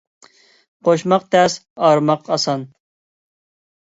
قوشماق تەس، ئايرىماق ئاسان.